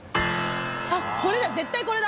あっこれだ絶対これだ！